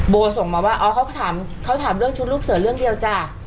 ส่งมาว่าอ๋อเขาถามเรื่องชุดลูกเสือเรื่องเดียวจ้ะ